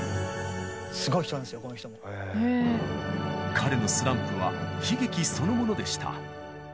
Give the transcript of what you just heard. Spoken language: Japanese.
彼のスランプは悲劇そのものでした。